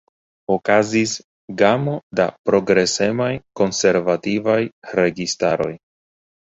Okazis gamo da progresemaj konservativaj registaroj.